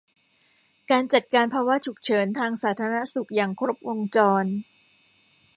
การจัดการภาวะฉุกเฉินทางสาธารณสุขอย่างครบวงจร